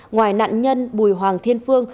ngoài nạn nhân bùi hoàng thiên phương